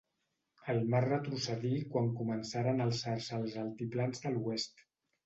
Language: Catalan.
El mar retrocedí quan començaren a alçar-se els altiplans de l'oest.